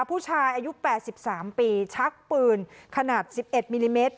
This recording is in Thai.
ผู้ชายอายุ๘๓ปีชักปืนขนาด๑๑มิลลิเมตร